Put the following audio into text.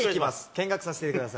見学させてください。